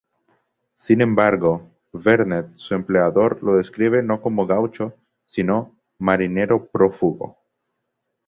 Sin embargo, Vernet, su empleador, lo describe no como gaucho, sino 'marinero prófugo'.